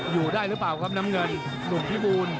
อยู่ได้หรือเปล่าครับน้ำเงินหนุ่มพิบูรณ์